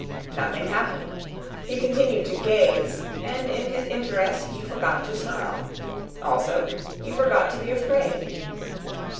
Nothing happened. He continued to gaze, and in his interest he forgot to snarl. Also, he forgot to be afraid.